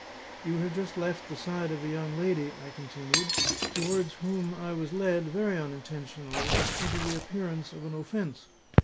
"You have just left the side of a young lady," I continued, "towards whom I was led (very unintentionally) into the appearance of an offence.